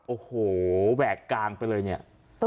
โอ้โหแหวกกลางไปเลยเนี่ย